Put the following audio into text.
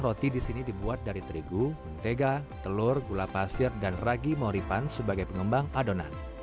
roti di sini dibuat dari terigu mentega telur gula pasir dan ragi moripan sebagai pengembang adonan